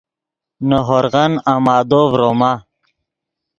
نے ہورغن امادو ڤروما